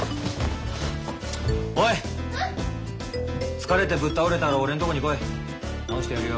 疲れてぶっ倒れたら俺んとこに来い治してやるよ。